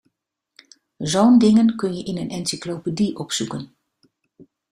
Zo'n dingen kun je in een encyclopedie opzoeken.